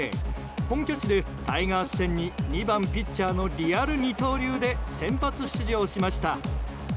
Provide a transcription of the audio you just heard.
本拠地でタイガース戦に２番ピッチャーのリアル二刀流で先発出場しました。